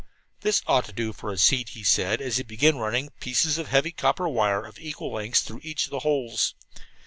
"This ought to do for a seat," he said, as he began running pieces of the heavy copper wire, of equal length, through each of the holes.